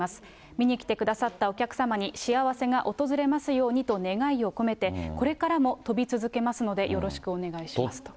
見に来てくださったお客様に幸せが訪れますようにと願いを込めて、これからも飛び続けますのでよろしくお願いしますと。